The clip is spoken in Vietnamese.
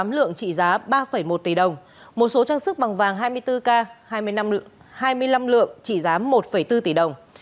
lượng trị giá ba một tỷ đồng một số trang sức bằng vàng hai mươi bốn k hai mươi năm lượng trị giá một bốn tỷ đồng